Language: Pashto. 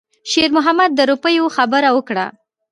شېرمحمد د روپیو خبره وکړه.